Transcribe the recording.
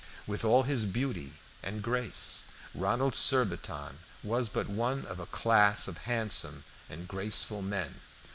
With all his beauty and grace, Ronald Surbiton was but one of a class of handsome and graceful men.